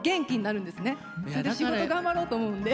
それで仕事頑張ろうと思うんで。